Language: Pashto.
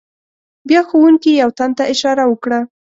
بیا ښوونکي یو تن ته اشاره وکړه.